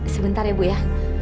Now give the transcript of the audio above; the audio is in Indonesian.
sebentar ya bu ya